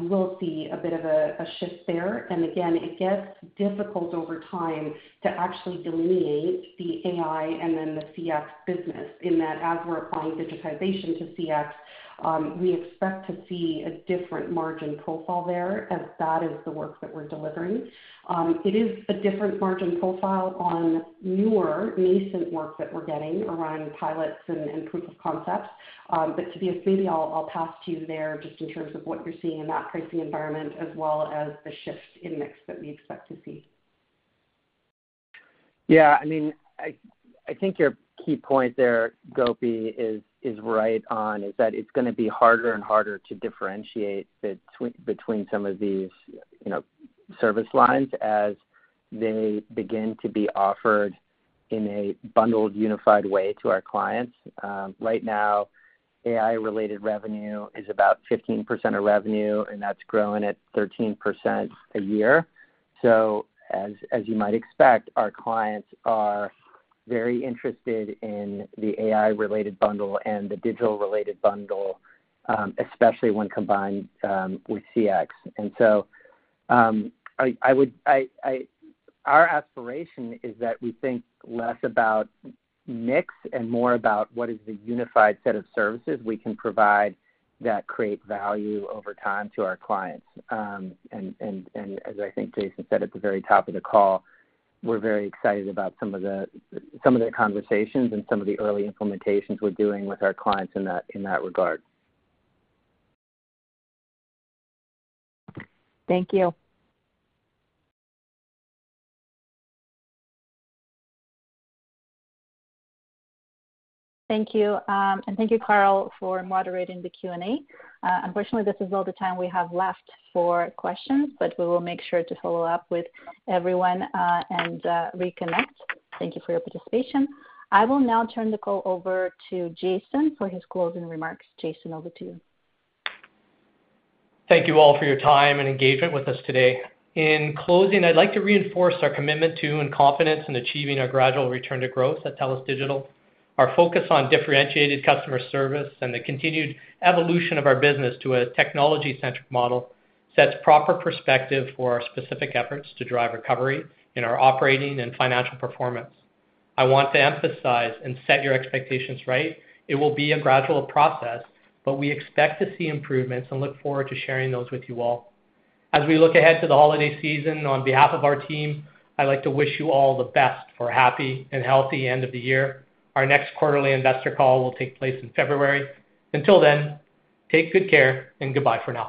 you will see a bit of a shift there. And again, it gets difficult over time to actually delineate the AI and then the CX business in that. As we're applying digitization to CX, we expect to see a different margin profile there as that is the work that we're delivering. It is a different margin profile on newer nascent work that we're getting around pilots and proof of concepts. But Tobias, maybe I'll pass to you there just in terms of what you're seeing in that pricing environment as well as the shift in mix that we expect to see. Yeah. I mean, I think your key point there, Gopi, is right on is that it's going to be harder and harder to differentiate between some of these service lines as they begin to be offered in a bundled unified way to our clients. Right now, AI-related revenue is about 15% of revenue, and that's growing at 13% a year. So as you might expect, our clients are very interested in the AI-related bundle and the digital-related bundle, especially when combined with CX. And so our aspiration is that we think less about mix and more about what is the unified set of services we can provide that create value over time to our clients. And as I think Jason said at the very top of the call, we're very excited about some of the conversations and some of the early implementations we're doing with our clients in that regard. Thank you. Thank you. And thank you, Carl, for moderating the Q&A. Unfortunately, this is all the time we have left for questions, but we will make sure to follow up with everyone and reconnect. Thank you for your participation. I will now turn the call over to Jason for his closing remarks. Jason, over to you. Thank you all for your time and engagement with us today. In closing, I'd like to reinforce our commitment to and confidence in achieving a gradual return to growth at TELUS Digital. Our focus on differentiated customer service and the continued evolution of our business to a technology-centric model sets proper perspective for our specific efforts to drive recovery in our operating and financial performance. I want to emphasize and set your expectations right. It will be a gradual process, but we expect to see improvements and look forward to sharing those with you all. As we look ahead to the holiday season, on behalf of our team, I'd like to wish you all the best for a happy and healthy end of the year. Our next quarterly investor call will take place in February. Until then, take good care and goodbye for now.